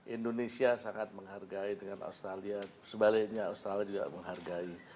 indonesia sangat menghargai dengan australia sebaliknya australia juga menghargai